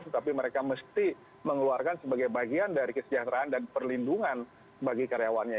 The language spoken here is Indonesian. tetapi mereka mesti mengeluarkan sebagai bagian dari kesejahteraan dan perlindungan bagi karyawannya